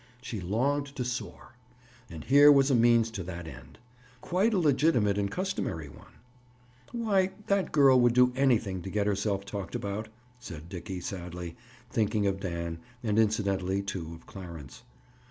She longed to soar. And here was a means to that end. Quite a legitimate and customary one! "Why, that girl would do anything to get herself talked about," said Dickie sadly, thinking of Dan, and incidentally, too, of Clarence.